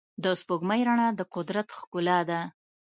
د سپوږمۍ رڼا د قدرت ښکلا ده.